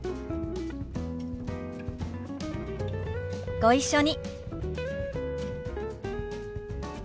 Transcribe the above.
ご一緒に。